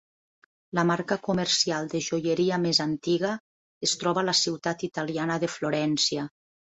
La marca comercial de joieria més antiga es troba a la ciutat italiana de Florència.